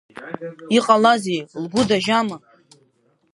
Иҟалазеи, лгәы дажьама?